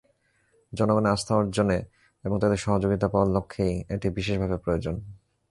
জনগণের আস্থা অর্জনে এবং তাদের সহযোগিতা পাওয়ার লক্ষ্যেই এটি বিশেষভাবে প্রয়োজন।